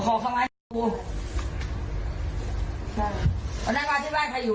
แห้กว่าไม่เป็นเหรออร่งไม้หาประหว่ามาย์ไม่ตัว